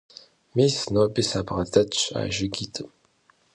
Мис, ноби сабгъэдэтщ а жыгитӀым.